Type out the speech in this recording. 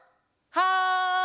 はい。